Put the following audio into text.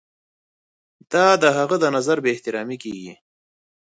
دا د هغه د نظر بې احترامي کیږي.